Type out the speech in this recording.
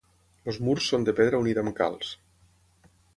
Els murs són de pedra unida amb calç.